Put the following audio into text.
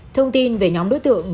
thông tin về nhóm đối tượng